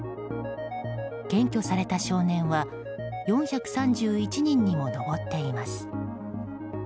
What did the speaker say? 検挙された少年は４３１人にも上っています。